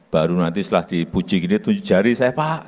baru nanti setelah dipuji gini tujuh jari saya pak